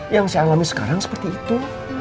yang saya alami sekarang seperti itu